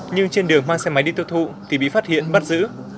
nhưng trên đường mang xe máy đi tiêu thụ thì bị phát hiện bắt giữ